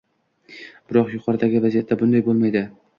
Biroq yuqoridagi vaziyatda bunday bo‘lmaydi.